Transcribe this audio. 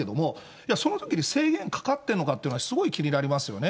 いや、そのときに制限かかってるのかっていうのは、すごい気になりますよね。